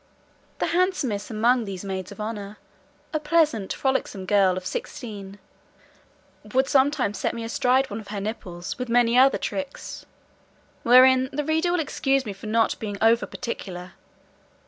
The handsomest among these maids of honour, a pleasant, frolicsome girl of sixteen, would sometimes set me astride upon one of her nipples, with many other tricks, wherein the reader will excuse me for not being over particular.